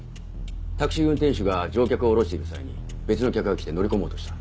タクシー運転手が乗客を降ろしている際に別の客が来て乗り込もうとした。